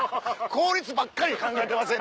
効率ばっかり考えてません？